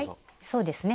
そうですね。